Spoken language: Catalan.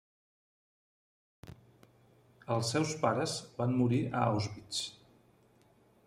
Els seus pares van morir a Auschwitz.